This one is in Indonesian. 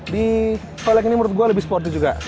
di toilet ini menurut gue lebih sport juga